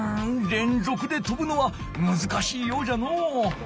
連続でとぶのはむずかしいようじゃのう。